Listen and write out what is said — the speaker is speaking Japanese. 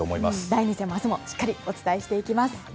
第２戦の明日もしっかりお伝えしていきます。